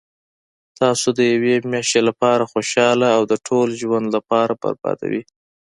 تاسو د یوې میاشتي لپاره خوشحاله او د ټول ژوند لپاره بربادوي